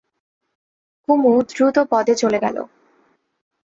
কুমু দ্রুতপদে চলে গেল।